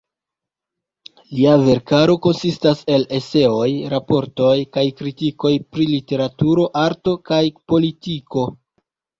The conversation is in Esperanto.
Lia verkaro konsistas el eseoj, raportoj kaj kritikoj pri literaturo, arto kaj politiko.